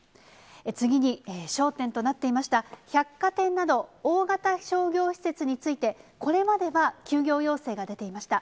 次に、焦点となっていました百貨店など、大型商業施設について、これまでは休業要請が出ていました。